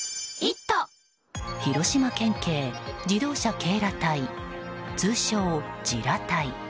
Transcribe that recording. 広島県警自動車警ら隊通称、自ら隊。